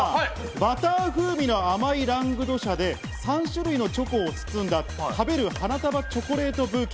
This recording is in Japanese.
バター風味の甘いラングドシャで３種類のチョコを包んだ、食べる花束チョコレートブーケ。